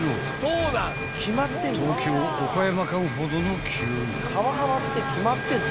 ［東京岡山間ほどの距離］